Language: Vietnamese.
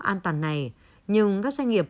an toàn này nhưng các doanh nghiệp